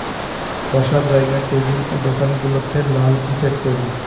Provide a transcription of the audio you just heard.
বসার জায়গা, টেবিল ও দোকানগুলো লাল ইটের তৈরি।